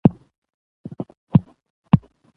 سلیمان غر د افغانانو د ژوند طرز اغېزمنوي.